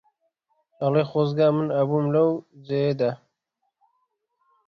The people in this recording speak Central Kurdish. ئەڵێ خۆزگا من ئەبووم لەو جێدا